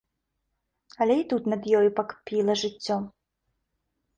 Але і тут над ёю пакпіла жыццё.